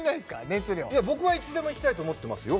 熱量いや僕はいつでも行きたいと思ってますよ